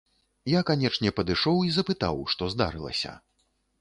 Я, канечне, падышоў і запытаў, што здарылася.